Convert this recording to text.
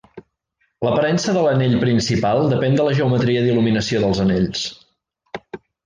L'aparença de l'anell principal depèn de la geometria d'il·luminació dels anells.